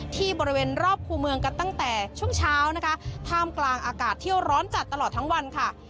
ที่บริเวณรอบคู่เมืองกันตั้งแต่ช่วงเช้านะคะท่ามกลางอากาศเที่ยวร้อนจัดตลอดทั้งวันค่ะ